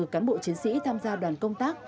hai mươi bốn cán bộ chiến sĩ tham gia đoàn công tác